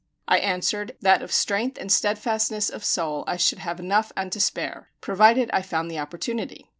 I answered that of strength and steadfastness of soul I should have enough and to spare, provided I found the opportunity.